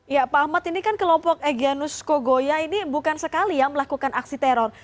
ya pak ahmad ini kan kelompok iki anus kalkoya ini bukan sekali yang melakukan aksi teror